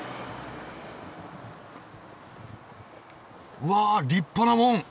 うわ立派な門。